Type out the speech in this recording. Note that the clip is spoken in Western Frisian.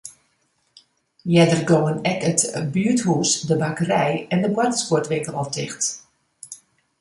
Earder gongen ek it buerthûs, de bakkerij en de boartersguodwinkel al ticht.